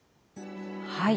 はい。